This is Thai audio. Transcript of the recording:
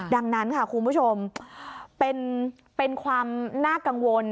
ดังนั้นค่ะคุณผู้ชมเป็นความน่ากังวล